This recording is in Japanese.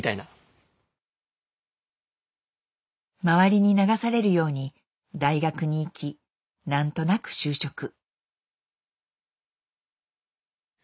周りに流されるように大学に行きなんとなく就職。